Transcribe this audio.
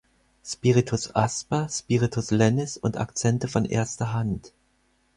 Spiritus asper, Spiritus lenis, und Akzente von erster Hand.